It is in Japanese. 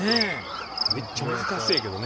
めっちゃ難しそうやけどね